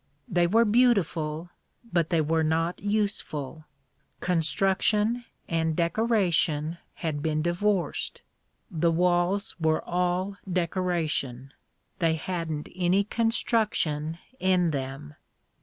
They were beautiful, but they were not useful. Construction and decoration had been divorced. The walls were all decoration. They hadn't any construction in them.